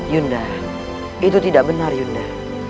yunda itu tidak benar yunda